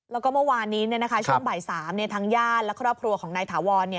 แล้วก็เมื่อวานนี้ช่วงบ่าย๓ทางญาติและครอบครัวของนายถาวร